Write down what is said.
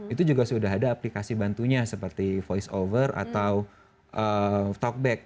itu juga sudah ada aplikasi bantunya seperti voice over atau talkback